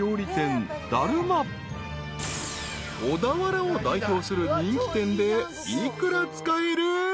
［小田原を代表する人気店でいくら使える？］